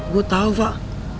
gue tau fak